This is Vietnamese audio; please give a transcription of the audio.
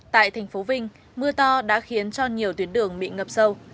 tại thành phố vinh mưa to đã khiến cho nhiều tuyến đường bị ngập sâu